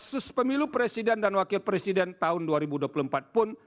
kasus pemilu presiden dan wakil presiden tahun dua ribu dua puluh empat pun